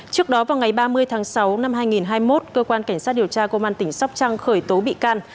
trước đó vào ngày ba mươi tháng sáu năm hai nghìn hai mươi một cơ quan cảnh sát điều tra công an tỉnh sóc trăng khởi tố bị can